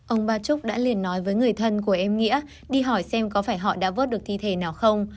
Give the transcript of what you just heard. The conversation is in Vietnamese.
ông ba trúc đã liền nói với người thân của em nghĩa đi hỏi xem có phải họ đã vớt được thi thể nào không